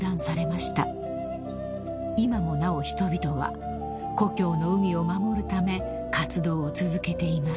［今もなお人々は故郷の海を守るため活動を続けています］